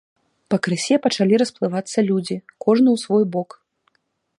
Пакрысе пачалі расплывацца людзі, кожны ў свой бок.